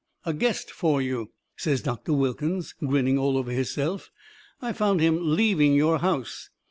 "A guest for you," says Doctor Wilkins, grinning all over hisself. "I found him leaving your house.